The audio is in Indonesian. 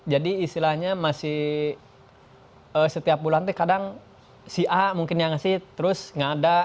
jadi istilahnya masih setiap bulan kadang si a mungkin yang ngasih terus nggak ada